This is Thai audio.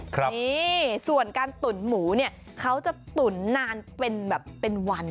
นี่ส่วนการตุ๋นหมูเนี่ยเขาจะตุ๋นนานเป็นแบบเป็นวัน